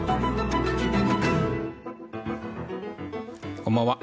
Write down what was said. こんばんは。